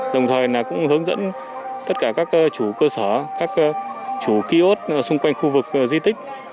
đồng thời cũng hướng dẫn tất cả các chủ cơ sở các chủ ký ốt xung quanh khu vực di tích